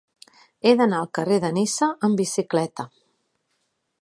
He d'anar al carrer de Niça amb bicicleta.